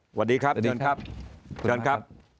สวัสดีครับขอบคุณครับ